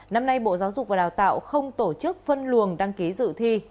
năm nay bộ giáo dục và đào tạo không tổ chức phân luồng đăng ký dự thi